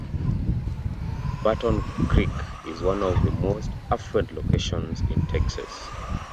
Barton Creek is one of the most affluent locations in Texas.